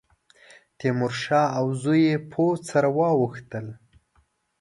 تیمورشاه او زوی یې پوځ سره واوښتل.